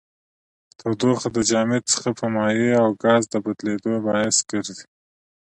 تودوخه د جامد څخه په مایع او ګاز د بدلیدو باعث ګرځي.